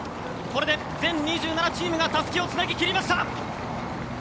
これで全２７チームがたすきをつなぎ切りました。